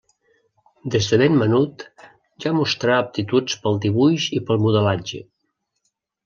Des de ben menut ja mostrà aptituds pel dibuix i pel modelatge.